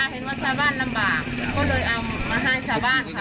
เห็นว่าชาวบ้านลำบากก็เลยเอามาให้ชาวบ้านค่ะ